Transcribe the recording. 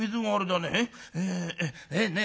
ねえねえ